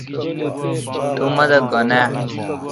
تو مہ دا گھن آ؟